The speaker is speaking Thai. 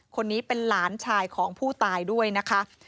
คนนี้เป็นหลานชายของผู้ตายด้วยนะคะ